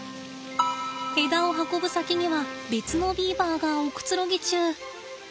枝を運ぶ先には別のビーバーがおくつろぎ中。